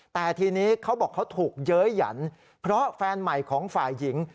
แต่ทีนี้เขาบอกเขาถูกเย้ยหยันเพราะแฟนใหม่ของฝ่ายหญิง